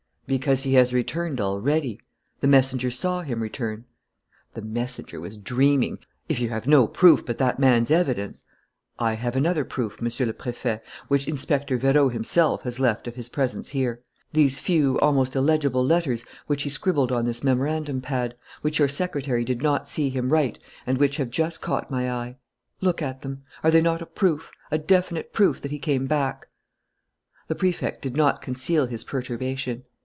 "Because he has returned already. The messenger saw him return." "The messenger was dreaming. If you have no proof but that man's evidence " "I have another proof, Monsieur le Préfet, which Inspector Vérot himself has left of his presence here: these few, almost illegible letters which he scribbled on this memorandum pad, which your secretary did not see him write and which have just caught my eye. Look at them. Are they not a proof, a definite proof that he came back?" The Prefect did not conceal his perturbation.